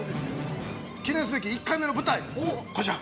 記念すべき１回目の舞台、こちら。